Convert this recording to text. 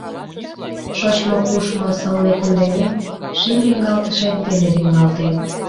Шочмо-кушмо сылне кундемем, ший лӱҥгалтышет ден лӱҥгалтем.